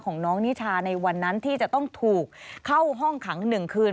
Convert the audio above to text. ของน้องนิชาในวันนั้นที่จะต้องถูกเข้าห้องขัง๑คืน